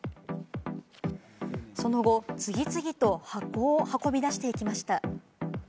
その後、次々と箱を運び出していきました。